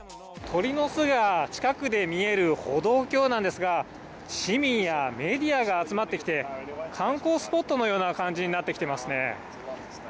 鳥の巣が近くで見える歩道橋なんですが、市民やメディアが集まってきて、観光スポットのような感じになってきていますね。